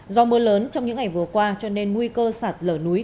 do mưa lớn trong những ngày vừa qua cho nên nguy cơ sạt lở núi